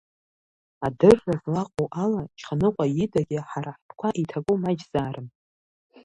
Адырра злаҟоу ала, Шьханыҟәа идагьы ҳара ҳтәқәа иҭаку маҷзаарым.